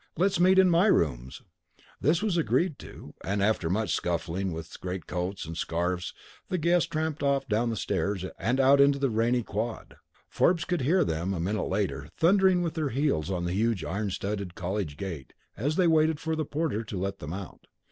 Let's meet in my rooms." This was agreed to, and after much scuffling with greatcoats and scarves the guests tramped off down the stairs and out into the rainy quad. Forbes could hear them, a minute later, thundering with their heels on the huge iron studded college gate as they waited for the porter to let them out.